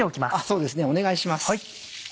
そうですねお願いします。